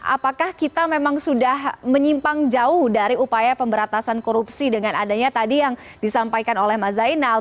apakah kita memang sudah menyimpang jauh dari upaya pemberantasan korupsi dengan adanya tadi yang disampaikan oleh mas zainal